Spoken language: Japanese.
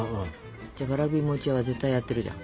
わらび餅屋は絶対やってるじゃん。